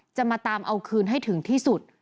จะมาตามเอาคืนให้ถึงที่สุด